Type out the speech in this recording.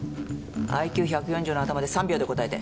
ＩＱ１４０の頭で３秒で答えて。